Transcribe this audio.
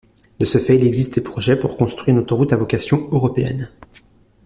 De ce fait, il existe des projets pour construire une autoroute à vocation européenne.